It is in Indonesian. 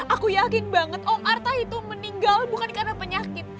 aku yakin banget om artha itu meninggal bukan karena penyakit